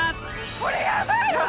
これやばいよ！